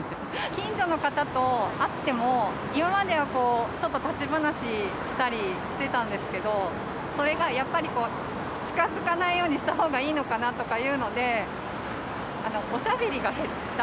近所の方と会っても、今まではこう、ちょっと立ち話したりしてたんですけど、それがやっぱり、こう、近づかないようにしたほうがいいのかなとかいうので、おしゃべりが減った。